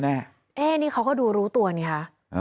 เรื่องที่นี่เขาก็ดูรู้ตัวเนี่ยค่ะ